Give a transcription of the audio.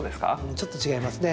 ちょっと違いますね。